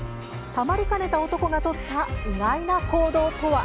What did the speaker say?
たまりかねた男が取った意外な行動とは？